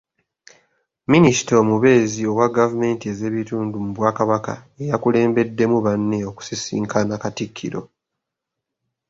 Minisita Omubeezi owa gavumenti ez’ebitundu mu Bwakabaka y'eyakulembeddemu banne okusisinkana Katikkiro.